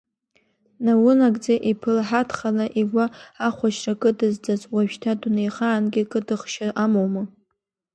Наунагӡа иԥылҳаҭханы игәы ахәашьра кыдызҵаз, уажәшьҭа дунеихаангьы кыдыхшьа амоума?